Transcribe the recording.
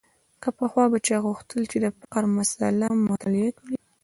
که پخوا به چا غوښتل د فقر مسأله مطالعه کړي.